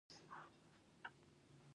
پسرلی د افغان ښځو په ژوند کې رول لري.